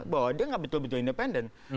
bahwa dia nggak betul betul independen